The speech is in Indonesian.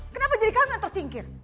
kenapa jadi kamu yang tersingkir